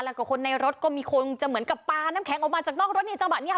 แล้วก็คนในรถก็มีคนจะเหมือนกับปลาน้ำแข็งออกมาจากนอกรถในจังหวะนี้ค่ะ